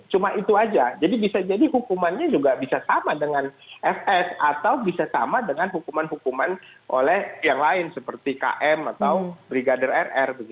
cuma itu aja jadi bisa jadi hukumannya juga bisa sama dengan fs atau bisa sama dengan hukuman hukuman oleh yang lain seperti km atau brigadir rr